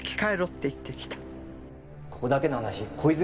ここだけの話小泉